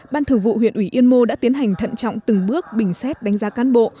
ban thường vụ huyện ủy yên mô đã tiến hành thận trọng từng bước bình xét đánh giá cán bộ